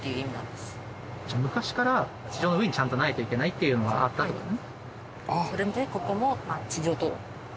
昔から地上の上にちゃんとないといけないっていうのはあったって事だね。